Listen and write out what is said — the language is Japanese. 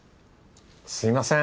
すみません。